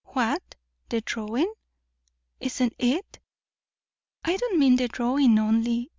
"What? the drawing? Isn't it!!" "I don't mean the drawing only.